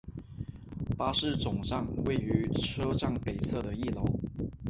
巴士总站位于车站北侧外的一楼。